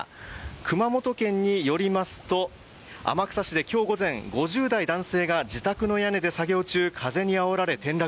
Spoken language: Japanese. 熊本県によりますと天草市で今日午前、５０代男性が自宅の屋根で作業中風にあおられ転落。